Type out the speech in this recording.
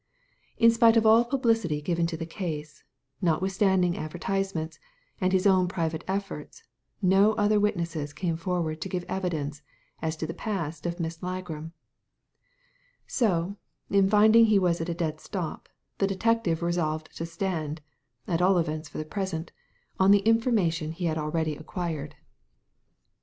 In spite oT all publicity given to the case, notwithstanding advertisements, and his own private efforts, no other witnesses came forward to give evidence as to the past of Miss Ligram; so, finding he was at a dead stop, the detective resolved to stand — at all events for the present — on the information he had already acquired.